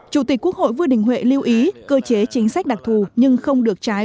chủ tịch quốc hội vương đình huệ lưu ý cơ chế chính sách đặc thù nhưng không được trái